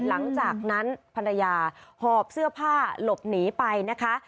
หลังจากนั้นภรรยาหอบเสื้อผ้าหลบหนีไปนะคะ